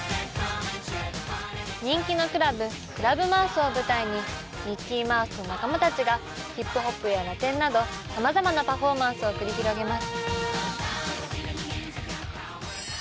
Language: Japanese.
人気のクラブクラブマウスを舞台にミッキーマウスと仲間たちがヒップホップやラテンなどさまざまなパフォーマンスを繰り広げます。